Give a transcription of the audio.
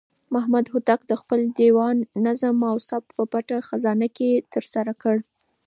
محمد هوتک د خپل دېوان نظم او ثبت په پټه خزانه کې ترسره کړ.